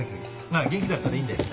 まあ元気だったらいいんだよ。